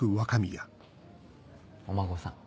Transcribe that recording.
お孫さん。